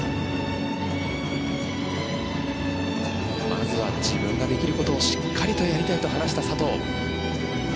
まずは自分ができることをしっかりとやりたいと話した佐藤。